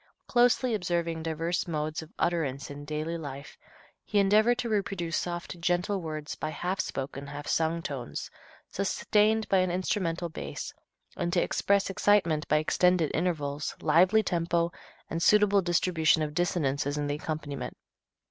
Closely observing diverse modes of utterance in daily life, he endeavored to reproduce soft, gentle words by half spoken, half sung tones, sustained by an instrumental bass, and to express excitement by extended intervals, lively tempo and suitable distribution of dissonances in the accompaniment.